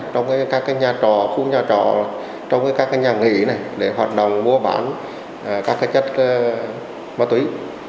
trong các nhà trò khu nhà trọ trong các nhà nghỉ này để hoạt động mua bán các chất ma túy